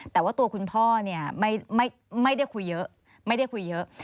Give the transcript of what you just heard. แต่ว่าตัวคุณพ่อเนี่ยไม่ได้คุยเยอะไม่ได้คุยเยอะ